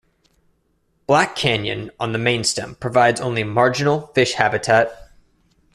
Black Canyon, on the mainstem, provides only marginal fish habitat.